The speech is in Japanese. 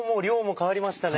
変わりましたよね。